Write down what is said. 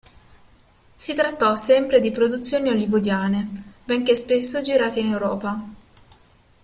Si trattò sempre di produzioni hollywoodiane, benché spesso girate in Europa.